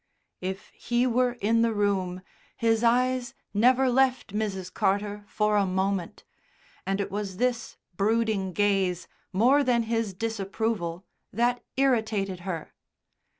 If he were in the room his eyes never left Mrs. Carter for a moment, and it was this brooding gaze more than his disapproval that irritated her.